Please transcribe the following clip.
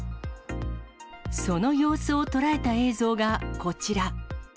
その様子を捉えた映像がこちら。